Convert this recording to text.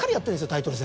タイトル戦。